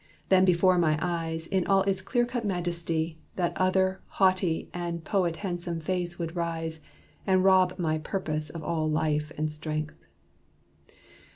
Then before my eyes In all its clear cut majesty, that other Haughty and poet handsome face would rise And rob my purpose of all life and strength.